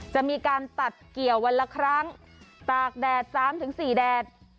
จะมีการตัดเกี่ยววันละครั้งตากแดด๓๔แดด